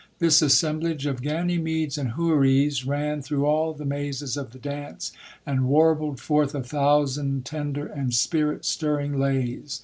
This assemblage of Ganymedes and Houris lan through all the mazes of the dance, and warbled forth a thousand tender and spirit stirring lays.